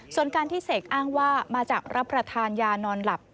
ส่วนการที่เสกอ้างว่ามาจากรับประทานยานอนหลับ